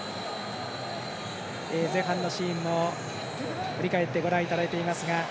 前半のシーンも振り返ってご覧いただいています。